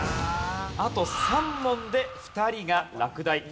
あと３問で２人が落第。